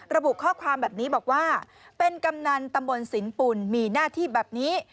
ระบุข้อความแบบนี้บอกว่าเป็นกำนันตำบลสินปุ่นมีหน้าที่แบบนี้